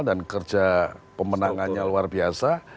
dan kerja pemenangannya luar biasa